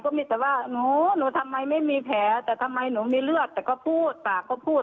มีแต่ว่าหนูหนูทำไมไม่มีแผลแต่ทำไมหนูมีเลือดแต่ก็พูดปากก็พูด